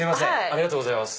ありがとうございます。